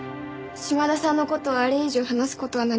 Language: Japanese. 島田さんの事をあれ以上話す事は何もありません。